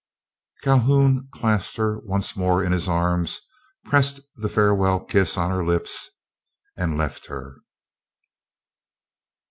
Calhoun clasped her once more in his arms, pressed the farewell kiss on her lips, and left her.